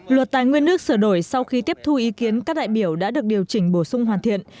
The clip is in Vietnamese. luật tài nguyên nước sửa đổi sau khi tiếp thu ý kiến các đại biểu đã được điều chỉnh bổ sung hoàn thiện